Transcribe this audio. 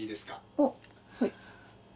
あぁはい。